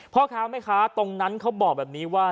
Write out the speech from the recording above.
พ่อค้าว่าไหมคะตรงนั้นเขาบอกแบบนี้ว่า